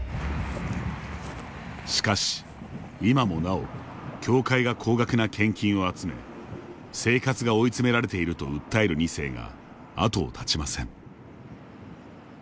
しかし、今もなお教会が高額な献金を集め生活が追い詰められていると訴える２世が後を絶ちません。